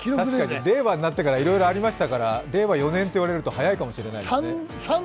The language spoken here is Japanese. たしかに令和になってからいろいろありましたから令和４年と言われると早いかもしれないですね。